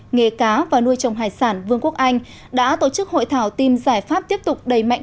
nghề cá và nuôi trồng hải sản vương quốc anh đã tổ chức hội thảo tìm giải pháp tiếp tục đẩy mạnh